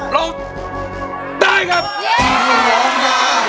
ร้องได้ครับ